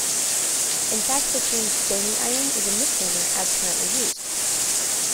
In fact, the term "stony iron" is a misnomer as currently used.